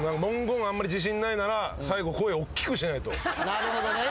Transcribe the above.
なるほどね。